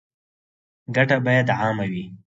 ګټه باید عامه وي